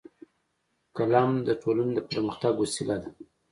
قلم د ټولنې د پرمختګ وسیله ده